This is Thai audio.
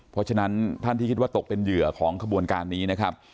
เพราะฉะนั้นท่านที่คิดว่าตกเป็นเหยื่อของขบวนการนี้นะครับ